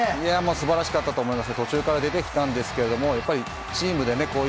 素晴らしかったと思います。